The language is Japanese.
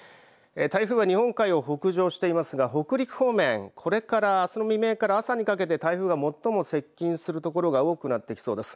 台風は日本海を北上していますが北陸方面これからあすの未明から朝にかけて台風が最も接近するところが多くなってきそうです。